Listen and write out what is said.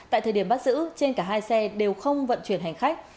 tại thời điểm bắt giữ trên cả hai xe đều không vận chuyển hành khách